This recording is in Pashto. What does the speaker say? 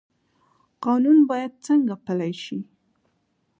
قانون باید څنګه پلی شي؟